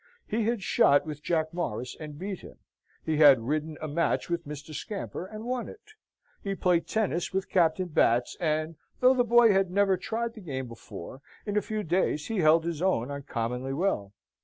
He had shot with Jack Morris and beat him; he had ridden a match with Mr. Scamper and won it. He played tennis with Captain Batts, and, though the boy had never tried the game before, in a few days he held his own uncommonly well.